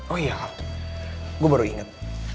oh ya gue baru inget